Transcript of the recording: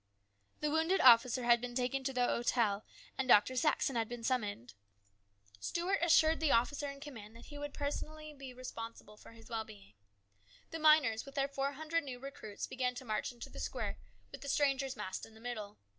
The wounded officer had been taken to the hotel, and Dr. Saxon had been summoned. Stuart assured AN EXCITING TIME. 119 the officer in command that he would be personally responsible for his well being. The miners with their four hundred new recruits began to march into the square with the strangers massed in the middle.